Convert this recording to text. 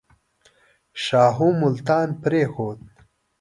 شاهو ملتان پرېښود.